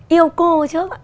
yêu cô trước ạ